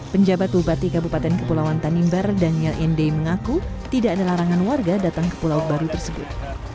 penjabat bupati kabupaten kepulauan tanimbar daniel ende mengaku tidak ada larangan warga datang ke pulau baru tersebut